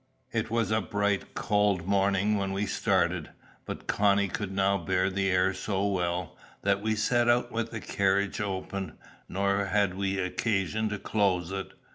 It was a bright, cold morning when we started. But Connie could now bear the air so well, that we set out with the carriage open, nor had we occasion to close it.